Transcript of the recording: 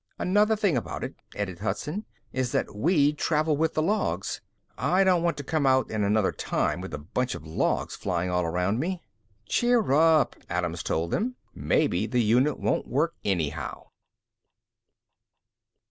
"Another thing about it," added Hudson, "is that we'd travel with the logs. I don't want to come out in another time with a bunch of logs flying all around me." "Cheer up," Adams told them. "Maybe the unit won't work, anyhow."